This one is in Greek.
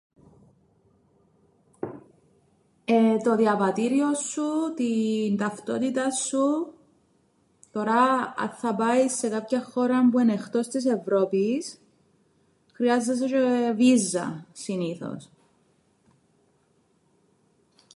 Εεε το διαβατήριον σου, την ταυτότηταν σου, τωρά αν θα πάεις σε κάποιαν χώραν που εν' εκτός της Ευρώπης χειάζεσαι τζ̆αι βίζαν συνήθως.